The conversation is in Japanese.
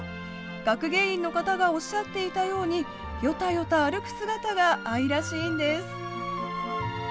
学芸員の方がおっしゃっていたように、よたよた歩く姿が愛らしいんです。